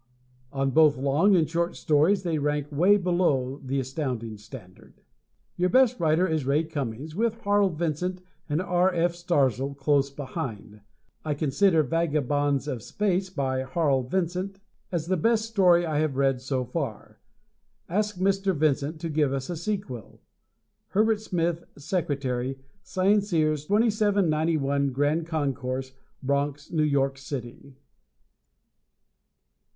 On both long and short stories they rank way below the Astounding standard. Your best writer is Ray Cummings, with Harl Vincent and R. F. Starzl close behind. I consider "Vagabonds of space," by Harl Vincent, as the best story I have read so far. Ask Mr. Vincent to give us a sequel. Herbert Smith, Sec., Scienceers, 2791 Grand Concourse, Bronx, New York City.